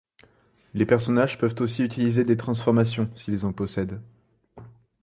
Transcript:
Les personnages peuvent aussi utiliser des transformations s'ils en possèdent.